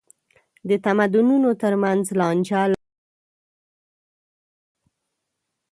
د تمدنونو تر منځ لانجه لا زیاته کړې ده.